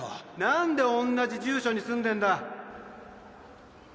何でおんなじ住所に住んでんだ？